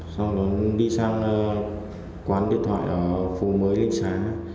xong rồi đi sang quán điện thoại ở phố mới linh xá